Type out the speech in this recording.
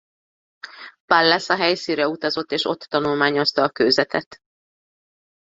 Pallas a helyszínre utazott és ott tanulmányozta a kőzetet.